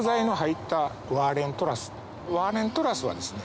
ワーレントラスはですね